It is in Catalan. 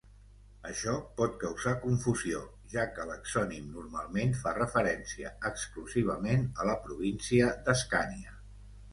Això pot causar confusió, ja que l'exònim normalment fa referència exclusivament a la província d'Escània.